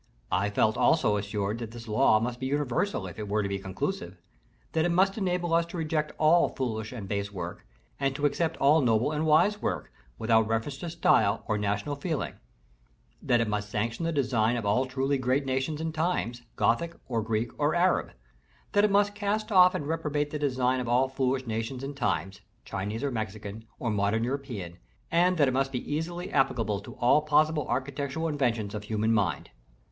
I felt also assured that this law must be universal if it were conclusive; that it must enable us to reject all foolish and base work, and to accept all noble and wise work, without reference to style or national feeling; that it must sanction the design of all truly great nations and times, Gothic or Greek or Arab; that it must cast off and reprobate the design of all foolish nations and times, Chinese or Mexican, or modern European: and that it must be easily applicable to all possible architectural inventions of human mind.